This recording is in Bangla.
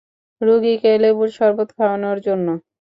রুগীকে লেবুর শরবত খাওয়ানোর জন্য।